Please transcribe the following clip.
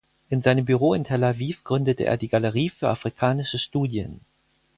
In seinem Büro in Tel Aviv gründete er die Galerie für afrikanische Studien.